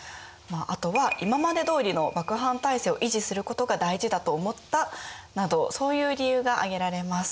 あとは今までどおりの幕藩体制を維持することが大事だと思ったなどそういう理由が挙げられます。